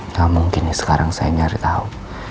nggak mungkin ya sekarang saya nyari tahu